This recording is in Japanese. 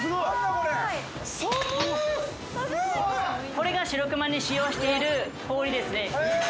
◆これが白熊に使用している氷ですね。